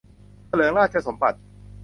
เถลิงราชสมบัติ